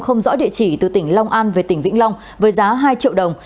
không rõ địa chỉ từ tỉnh long an về tỉnh vĩnh long với giá hai triệu đồng